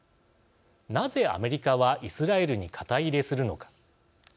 なぜアメリカはイスラエルに肩入れするのか。